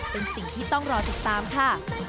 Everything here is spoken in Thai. เป็นสิ่งที่ต้องรอติดตามค่ะ